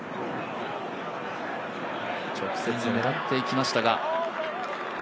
直接狙っていきましたが。